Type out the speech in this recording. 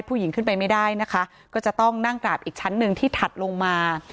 ขึ้นไปไม่ได้นะคะก็จะต้องนั่งกราบอีกชั้นหนึ่งที่ถัดลงมา